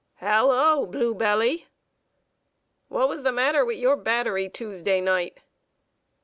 "Halloo, bluebelly!" "What was the matter with your battery, Tuesday night?"